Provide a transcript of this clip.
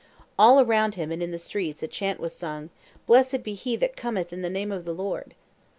All around him and in the streets a chant was sung, "Blessed be he that cometh in the name of the Lord!"